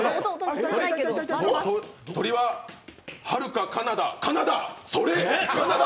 鳥ははるかカナダ、それ、カナダ？